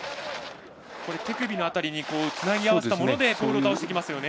手首の辺りにつなぎ合わせたものでポールを倒していきます。